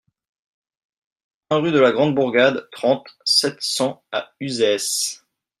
un rue de la Grande Bourgade, trente, sept cents à Uzès